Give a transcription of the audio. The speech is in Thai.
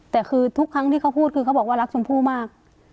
แต่คือทุกครั้งที่เขาพูดคือเขาบอกว่ารักชมพู่มาก